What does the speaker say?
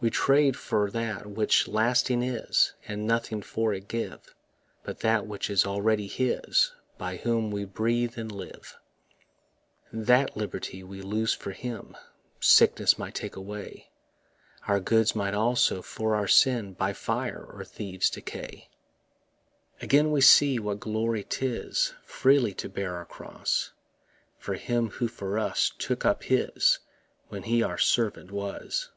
We trade for that which lasting is, And nothing for it give But that which is already His By whom we breathe and live. That liberty we lose for him Sickness might take away; Our goods might also for our sin By fire or thieves decay. Again we see what glory 'tis Freely to bear our cross For Him who for us took up his When he our servant was.